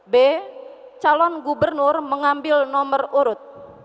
b calon gubernur mengambil nomor urut